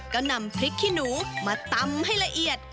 ก็นำพริกขี้หนูมาตำให้ละเอียด